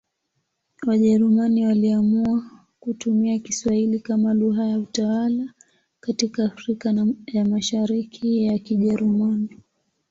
Wajerumani waliamua kutumia Kiswahili kama lugha ya utawala katika Afrika ya Mashariki ya Kijerumani.